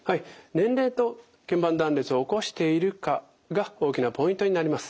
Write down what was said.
年齢とけん板断裂を起こしているかが大きなポイントになります。